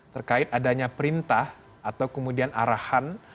terkait adanya perintah atau kemudian arahan